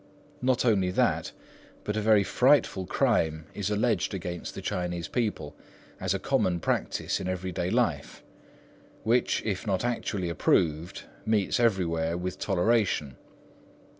Not only that, but a very frightful crime is alleged against the Chinese people as a common practice in everyday life, which, if not actually approved, meets everywhere with toleration.